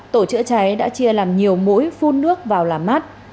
tổ chữa cháy đã chia làm nhiều mũi phun nước vào làm mát